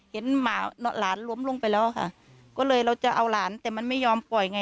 หมาหลานล้มลงไปแล้วค่ะก็เลยเราจะเอาหลานแต่มันไม่ยอมปล่อยไง